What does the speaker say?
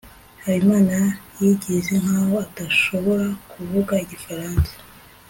habimana yigize nkaho adashobora kuvuga igifaransa